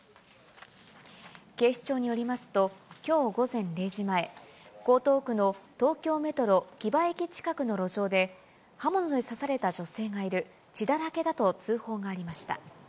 警視庁によりますと、きょう午前０時前、江東区の東京メトロ木場駅近くの路上で、刃物で刺された女性がいる、血だらけだと通報がありました。